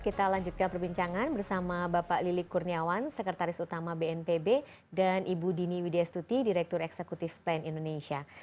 kita lanjutkan perbincangan bersama bapak lilik kurniawan sekretaris utama bnpb dan ibu dini widestuti direktur eksekutif pen indonesia